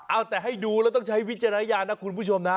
เอาแต่ให้ดูแล้วต้องใช้วิจารณญาณนะคุณผู้ชมนะ